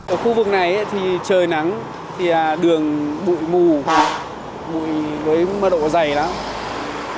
ở khu vực này thì trời nắng thì là đường bụi mù bụi với mưa độ dày lắm